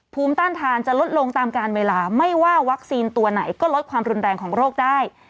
ภูมิต้านทานจะลดลงตามการเวลาไม่ว่าวัคซีนตัวไหนก็ลดความรุนแรงของโรคได้